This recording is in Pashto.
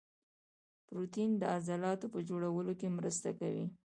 پروټین د عضلاتو په جوړولو کې مرسته کوي